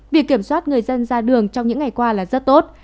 việc kiểm soát người dân ra đường trong những ngày qua là rất tốt